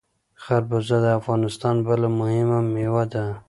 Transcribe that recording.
خربوزه د افغانستان بله مهمه میوه ده.